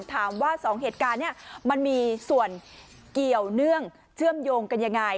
ถามว่า๒เหตุการณ์นี้มันมีส่วนเกี่ยวเนื่องเชื่อมโยงกันยังไง